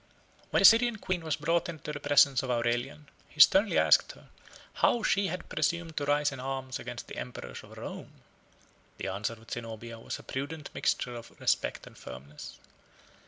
167] When the Syrian queen was brought into the presence of Aurelian, he sternly asked her, How she had presumed to rise in arms against the emperors of Rome! The answer of Zenobia was a prudent mixture of respect and firmness.